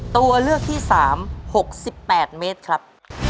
ตัวเลือกที่๓๖๘เมตรครับ